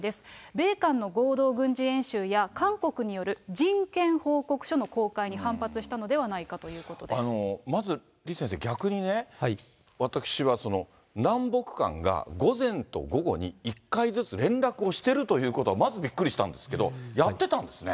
米韓の合同軍事演習や韓国による人権報告書の公開に反発したのでまず李先生、逆にね、私は南北間が午前と午後に１回ずつ連絡をしてるということがまずびっくりしたんですけど、やってたんですね。